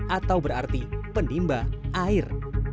atau berarti penimba air